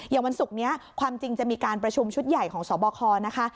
วันศุกร์นี้ความจริงจะมีการประชุมชุดใหญ่ของสบคนะคะ